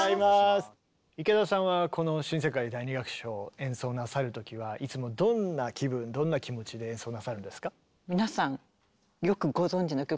池田さんはこの「新世界」第２楽章を演奏なさる時はいつもどんな気分どんな気持ちで演奏なさるんですか？